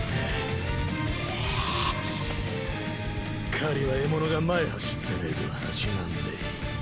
狩りは獲物が前走ってねえと始まんねえ。